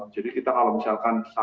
jadi kita kalau misalkan